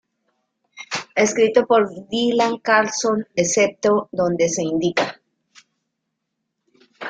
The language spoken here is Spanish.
Escrito por Dylan Carlson, excepto donde se indica.